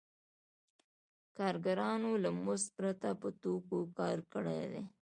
کارګرانو له مزد پرته په توکو کار کړی دی